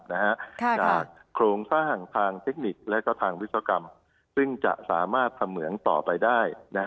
โครงสร้างทางเทคนิคและก็ทางวิศวกรรมซึ่งจะสามารถเสมืองต่อไปได้